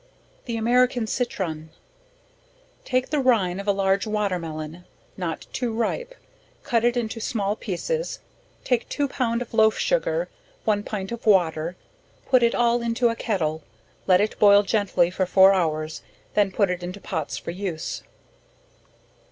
The American Citron. Take the rine of a large watermelon not too ripe cut it into small pieces, take two pound of loaf sugar, one pint of water, put it all into a kettle, let it boil gently for four hours, then put it into pots for use.